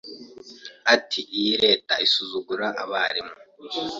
Ati iyi Leta isuzugura Abarimu